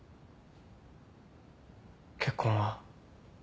結婚は。